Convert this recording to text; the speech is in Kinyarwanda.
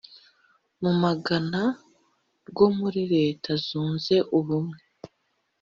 mu magana rwo muri Leta Zunze Ubumwe